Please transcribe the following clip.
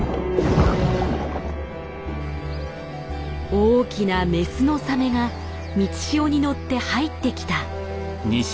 大きなメスのサメが満ち潮に乗って入ってきた。